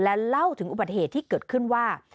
และเล่าถึงอุบัติเหตุที่เกิดขึ้นว่า